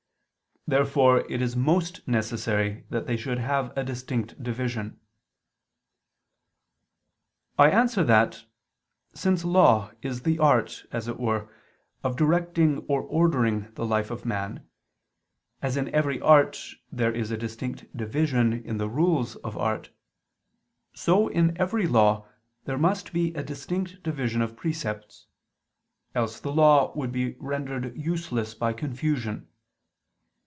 Therefore it is most necessary that they should have a distinct division. I answer that, Since law is the art, as it were, of directing or ordering the life of man, as in every art there is a distinct division in the rules of art, so, in every law, there must be a distinct division of precepts: else the law would be rendered useless by confusion.